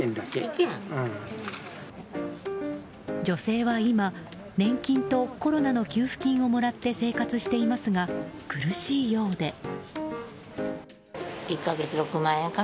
女性は今、年金とコロナの給付金をもらって生活していますが苦しいようで。